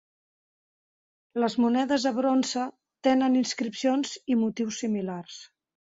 Les monedes de bronze tenen inscripcions i motius similars.